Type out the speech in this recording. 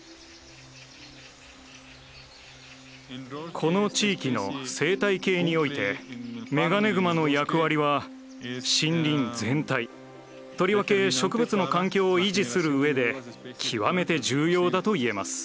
この地域の生態系においてメガネグマの役割は森林全体とりわけ植物の環境を維持するうえで極めて重要だといえます。